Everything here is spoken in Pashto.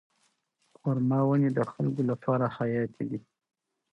خورما ونې د خلکو لپاره حیاتي دي.